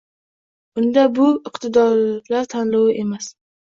Unda bu iqtidorlar tanlovi emas